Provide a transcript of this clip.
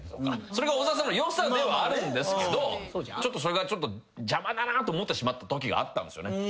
それが小沢さんのよさではあるんですけどちょっとそれが邪魔だなと思ってしまったときがあったんですよね。